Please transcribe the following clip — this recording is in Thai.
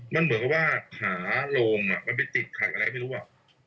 มันเหมือนกับว่าขาโลงมันไปติดขัดอะไรไม่รู้อ่ะ